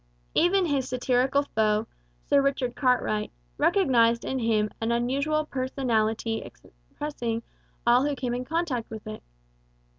Even his satirical foe, Sir Richard Cartwright, recognized in him an unusual personality impressing all who came in contact with it.